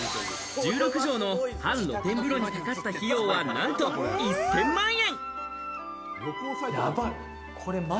１６畳の半露天風呂にかかった費用はなんと１０００万円。